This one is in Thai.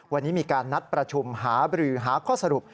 วันนี้มีการนัดประชุมหาบรือหาข้อสรุป